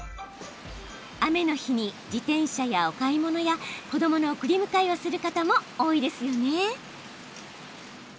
雨の日に自転車で、お買い物や子どもの送り迎えをする方も多いですよね。